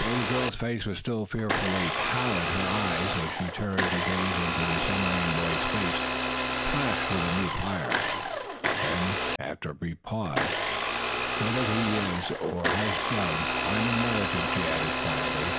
Though the girl's face was still fearfully pallid, her eyes, as she turned to gaze into the submarine boy's face, flashed with a new fire. Then, after a brief pause: "Whatever he is, or has done, I am an American," she added, quietly.